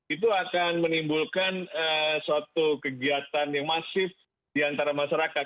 itu akan menimbulkan suatu kegiatan yang masif di antara masyarakat